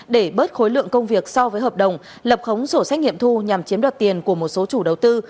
để bớt khối lượng công việc so với hợp đồng lập khống sổ sách nghiệm thu nhằm chiếm đoạt tiền của một số chủ đầu tư